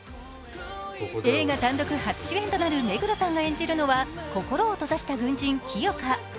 映画単独初主演となる目黒さんが演じるのは心を閉ざした軍人・清霞。